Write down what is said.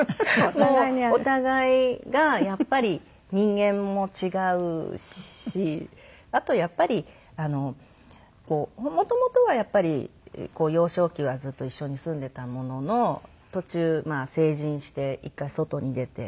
お互いがやっぱり人間も違うしあとやっぱり元々はやっぱり幼少期はずっと一緒に住んでいたものの途中まあ成人して１回外に出て。